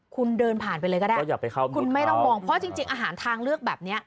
คุณเดินผ่านไปเลยก็ได้คุณไม่ต้องมองเพราะจริงอาหารทางเลือกแบบเนี้ย